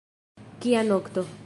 Kia nokto!